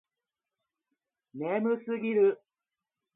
眠すぎる